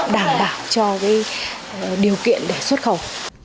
đảm bảo cho cái điều kiện để xuất khẩu